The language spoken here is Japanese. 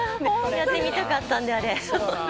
やってみたかったんで、あれ。